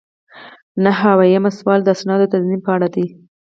نهه اویایم سوال د اسنادو د تنظیم په اړه دی.